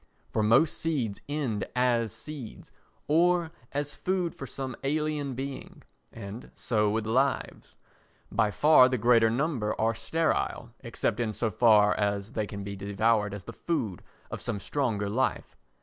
For most seeds end as seeds or as food for some alien being, and so with lives, by far the greater number are sterile, except in so far as they can be devoured as the food of some stronger life.